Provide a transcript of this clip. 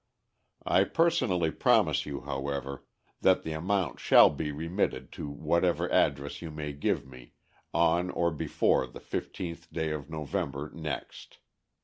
I personally promise you, however, that the amount shall be remitted to whatever address you may give me, on or before the fifteenth day of November next.